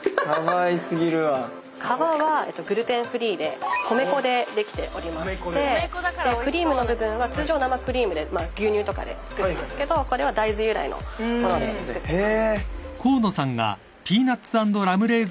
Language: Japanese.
皮はグルテンフリーで米粉でできておりましてクリームの部分は通常生クリームで牛乳とかで作るんですけどこれは大豆由来の物で作ってます。